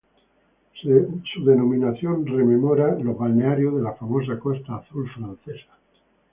Su denominación rememora los balnearios de la famosa Costa Azul francesa.